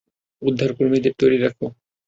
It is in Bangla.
উদ্ধারকর্মীদের তৈরি রাখো।